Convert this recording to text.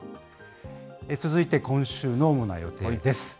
続いて今週の主な予定です。